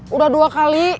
udah dua kali